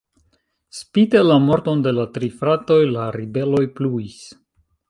Spite la morton de la tri fratoj, la ribeloj pluis.